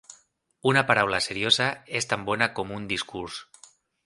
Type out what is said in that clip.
Una paraula seriosa és tan bona com un discurs.